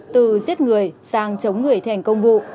từ giết người sang chống người thành công vụ